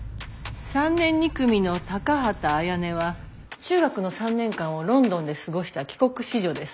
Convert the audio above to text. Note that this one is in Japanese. ３年２組の高畑あやねは中学の３年間をロンドンで過ごした帰国子女です。